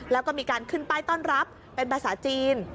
แล้วก็มีการขึ้นป้ายต้อนรับเป็นภาษาจีน